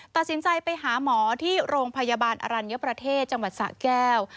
ตัดสินใจไปหาหมอที่โรงพยาบาลอรัญญประเทศจังหวัดสะแก้ว